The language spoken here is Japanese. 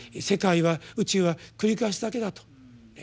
世界は宇宙は繰り返しだけだと。